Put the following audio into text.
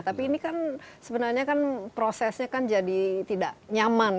tapi ini kan sebenarnya prosesnya jadi tidak nyaman